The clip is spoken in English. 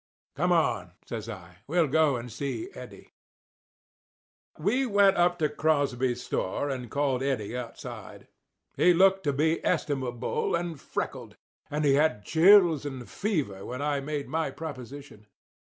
"Come on," says I. "We'll go and see Eddie." We went up to Crosby's store and called Eddie outside. He looked to be estimable and freckled; and he had chills and fever when I made my proposition.